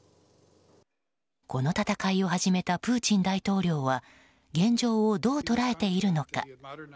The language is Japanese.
この戦いを始めたプーチン大統領は現状をどう捉えているのか。